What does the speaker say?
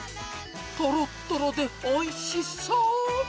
とろっとろでおいしそう。